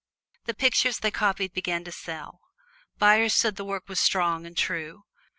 The pictures they copied began to sell. Buyers said the work was strong and true.